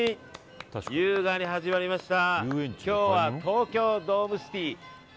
優雅に始まりました。